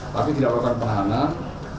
tapi tidak melakukan penahanan